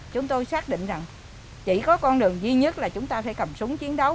chúng tôi xác định rằng chỉ có con đường duy nhất là chúng ta phải cầm súng chiến đấu